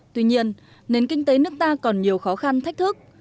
tuy nhiên nền kinh tế nước ta còn nhiều khó khăn thách thức